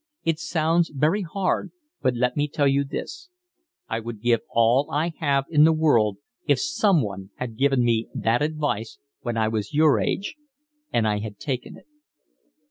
It sounds very hard, but let me tell you this: I would give all I have in the world if someone had given me that advice when I was your age and I had taken it."